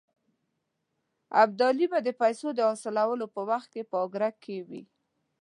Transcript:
ابدالي به د پیسو د حاصلولو په وخت کې په اګره کې وي.